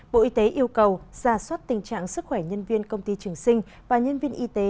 bộ y tế yêu cầu ra soát tình trạng sức khỏe nhân viên công ty trường sinh và nhân viên y tế